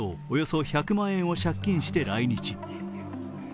およそ１００万円を借金して来日。